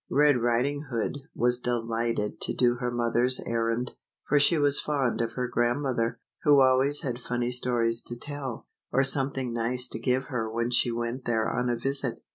Red Riding Hood was delighted to do her mother's errand, for she was fond of her grandmother, who always had funny stories to tell, or something nice to give her when she went there on a visit.